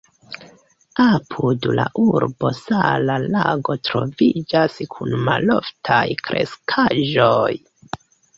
Apud la urbo sala lago troviĝas kun maloftaj kreskaĵoj.